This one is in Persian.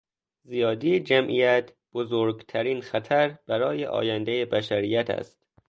زیادی جمعیت بزرگترین خطر برای آیندهی بشریت است.